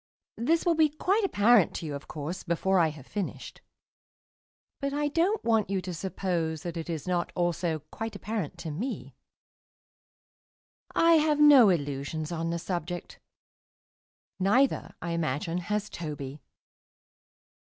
This will be quite apparent to you, of course, before I have finished, but I don't want you to suppose that it is not also quite apparent to me. I have no illusions on the subject; neither, I imagine, has Toby.